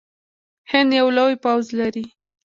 هند یو لوی پوځ لري.